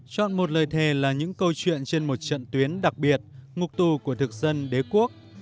chọn một lời thề là những câu chuyện trên một trận tuyến đặc biệt ngục tù của thực dân đế quốc